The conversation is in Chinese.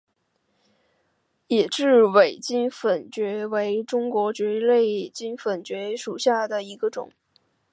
野雉尾金粉蕨为中国蕨科金粉蕨属下的一个种。